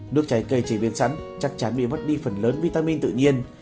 nước trái cây chế biến sẵn chắc chắn bị mất đi phần lớn vitamin tự nhiên